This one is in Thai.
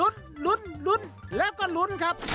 สวัสดีครับ